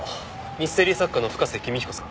ミステリー作家の深瀬公彦さん。